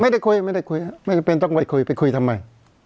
ไม่ได้คุยไม่ได้คุยครับไม่จำเป็นต้องไปคุยไปคุยทำไม